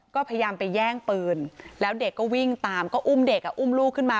ก็พยายามไปแย่งปืนแล้วเด็กก็วิ่งตามก็อุ้มเด็กอุ้มลูกขึ้นมา